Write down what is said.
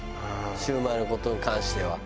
シュウマイの事に関しては。